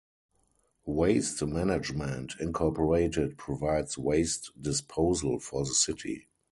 Waste Management Incorporated provides waste disposal for the city.